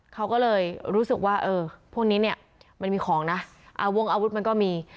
เขาก็เลยรู้สึกว่าเออพวกนี้เนี่ยมันมีของนะวงอาวุธมันก็มี